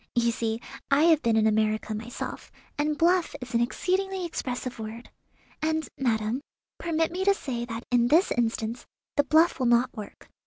You see I have been in America myself, and 'bluff' is an exceedingly expressive word. And, madam, permit me to say that in this instance the bluff will not work.